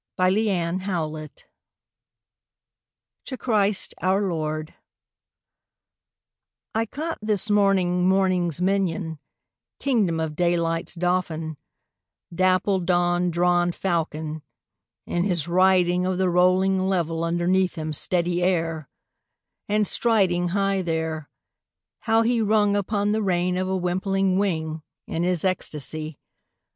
12 The Windhover: To Christ our Lord I CAUGHT this morning morning's minion, king dom of daylight's dauphin, dapple dawn drawn Fal con, in his riding Of the rolling level underneath him steady air, and striding High there, how he rung upon the rein of a wimpling wing In his ecstacy!